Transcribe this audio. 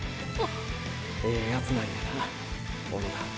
ええヤツなんやな小野田。